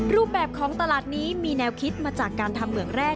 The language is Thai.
รูปแบบของตลาดนี้มีแนวคิดมาจากการทำเหมืองแรก